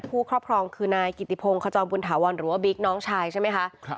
ครอบครองคือนายกิติพงศ์ขจรบุญถาวรหรือว่าบิ๊กน้องชายใช่ไหมคะ